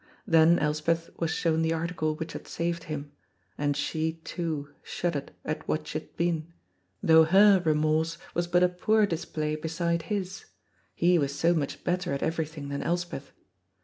Then Elspeth was shown the article which had saved him, and she, too, shuddered at what she had been, though her remorse was but a poor display beside his, he was so much better at everything than Elspeth.